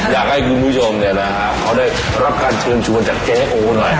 อยากให้คุณผู้ชมเขาได้รับการเชิญชวนจากเจ๊โอหน่อย